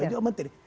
yang juga menteri